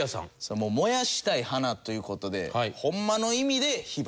もう燃やしたい花という事でホンマの意味で火花。